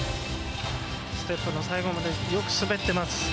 ステップの最後まで、よく滑ってます。